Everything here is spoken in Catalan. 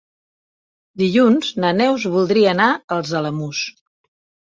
Dilluns na Neus voldria anar als Alamús.